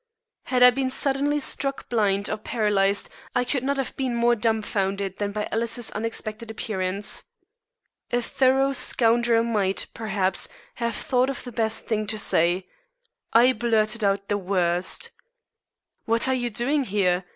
Had I been suddenly struck blind, or paralyzed, I could not have been more dumfounded than by Alice's unexpected appearance. A thorough scoundrel might, perhaps, have thought of the best thing to say. I blurted out the worst. "What are you doing here?"